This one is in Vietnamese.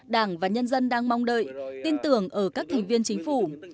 đảng và nhân dân đang mong đợi tin tưởng ở các thành viên chính phủ